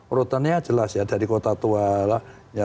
urutannya jelas ya dari kota tua lah